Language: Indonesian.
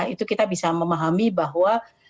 itu kita bisa memahami bahwa